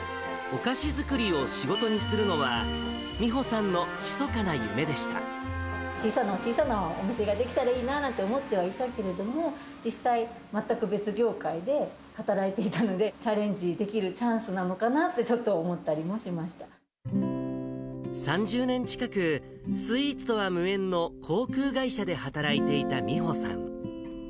お菓子作りを仕事にするのは、小さな小さなお店が出来たらいいなと思ってはいたけれども、実際、全く別業界で働いていたので、チャレンジできるチャンスなのかなと、ちょっと思ったりもしまし３０年近く、スイーツとは無縁の航空会社で働いていた美穂さん。